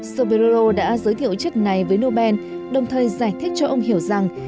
soperoro đã giới thiệu chất này với nobel đồng thời giải thích cho ông hiểu rằng